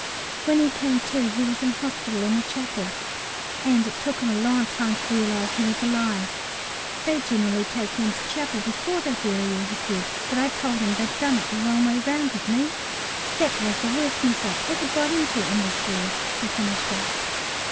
When he came to he was in hospital in a chapel, and it took him a long time to realise he was alive. "They generally take you into chapel before they bury you," he said, "but I told 'em they done it the wrong way round with me. That was the worst mess ever I got into in this War," he finished up.